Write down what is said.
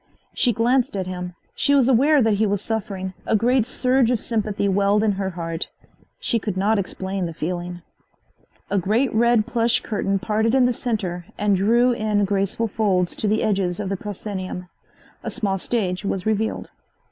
She glanced at him. She was aware that he was suffering. A great surge of sympathy welled in her heart. She could not explain the feeling. A great red plush curtain parted in the center and drew in graceful folds to the edges of the proscenium. A small stage was revealed.